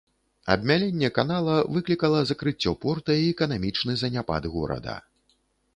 Абмяленне канала выклікала закрыццё порта і эканамічны заняпад горада.